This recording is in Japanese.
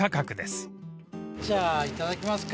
じゃあいただきますか。